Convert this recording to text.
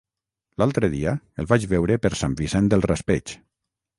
L'altre dia el vaig veure per Sant Vicent del Raspeig.